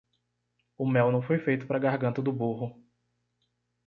O mel não foi feito para a garganta do burro.